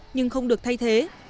nhưng không được thay thế